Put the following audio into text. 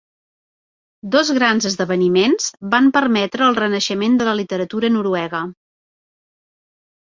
Dos grans esdeveniments van permetre el renaixement de la literatura noruega.